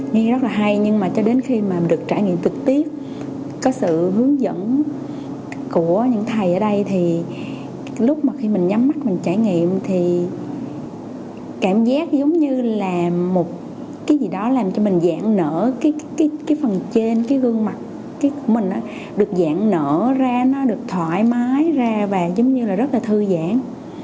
nghe rất là hay nhưng mà cho đến khi mà được trải nghiệm trực tiếp có sự hướng dẫn của những thầy ở đây thì lúc mà khi mình nhắm mắt mình trải nghiệm thì cảm giác giống như là một cái gì đó làm cho mình dạng nở cái phần trên cái gương mặt của mình được dạng nở ra nó được thoải mái ra và giống như là rất là thư giãn